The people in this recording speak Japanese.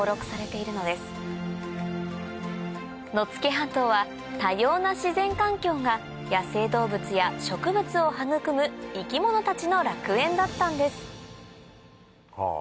半島は多様な自然環境が野生動物や植物を育む生き物たちの楽園だったんですはぁ！